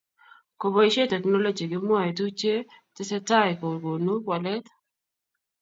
keboishe teknolochy kemwae tuchye tesei taii kokonu wallet